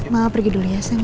maaf pergi dulu ya sam ya